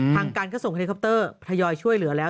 ทางการข้าวส่งไฟฟ้าพยอยช่วยเหลือแล้ว